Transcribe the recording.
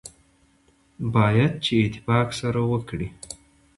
باید چې اتفاق سره وکړي.